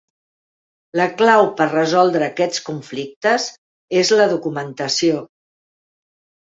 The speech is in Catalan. La clau per resoldre aquests conflictes és la documentació.